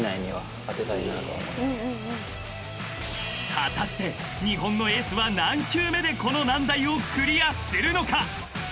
［果たして日本のエースは何球目でこの難題をクリアするのか］